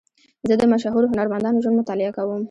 زه د مشهورو هنرمندانو ژوند مطالعه کوم.